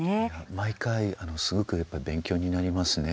毎回すごく勉強になりますね。